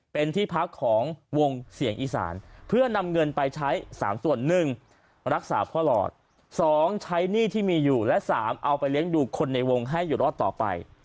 เป็นที่พักของวงเสียงอีสานเพื่อนำเงินไปใช้๓ส่วน๑รักษาพ่อหลอด๒ใช้หนี้ที่มีอยู่และ๓เอาไปเลี้ยงดูคนในวงให้อยู่รอดต่อไป